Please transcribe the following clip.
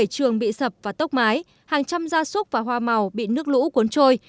bảy trường bị sập và tốc mái hàng trăm gia súc và hoa màu bị nước lũ cuốn trôi